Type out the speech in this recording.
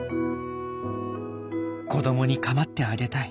子どもに構ってあげたい。